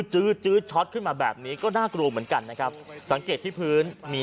ื้อจื้อช็อตขึ้นมาแบบนี้ก็น่ากลัวเหมือนกันนะครับสังเกตที่พื้นมี